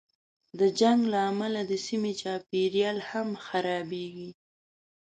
د جنګ له امله د سیمې چاپېریال هم خرابېږي.